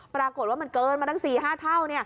ปรากฏว่ามันเกินมาตั้ง๔๕เท่า